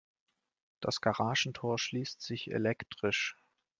Das Garagentor schließt sich elektrisch.